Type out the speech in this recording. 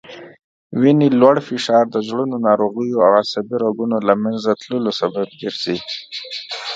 وینې لوړ فشار د زړه ناروغیو او عصبي رګونو له منځه تللو سبب ګرځي